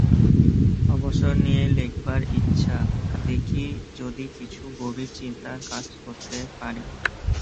অবসর নিয়ে লেখবার ইচ্ছা, দেখি যদি কিছু গভীর চিন্তার কাজ করতে পারি।